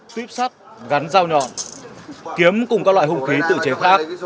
tuyếp sắt gắn dao nhọn kiếm cùng các loại hung khí tự chế khác